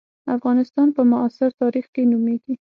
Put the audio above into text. افغانستان په معاصر تاریخ کې نومېږي.